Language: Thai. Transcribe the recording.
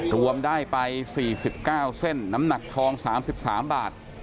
รวมได้ไปสี่สิบเก้าเส้นน้ำหนักทองสามสิบสามบาท